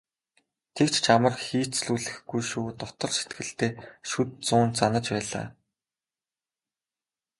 "Тэгж ч амар хийцлүүлэхгүй шүү" дотор сэтгэлдээ шүд зуун занаж байлаа.